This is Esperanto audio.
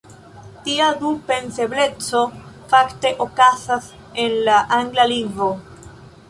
Tia "du-pensebleco" fakte okazas en la angla lingvo.